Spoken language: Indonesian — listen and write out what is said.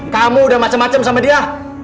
kamu udah macem macem sama dia